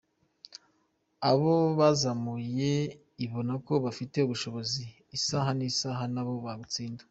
Abo yazamuye ibona ko bafite ubushobozi, isaha n’isaha nabo bagutsinda”.